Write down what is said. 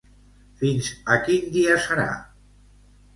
Fins a quin dia serà?